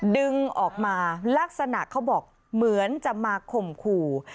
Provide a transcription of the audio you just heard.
ดึงออกมาลักษณะเขาบอกเหมือนจะมาข่มขู่